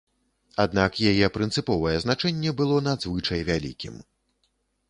Аднак яе прынцыповае значэнне было надзвычай вялікім.